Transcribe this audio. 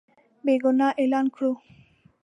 بېګناه اعلان کړو.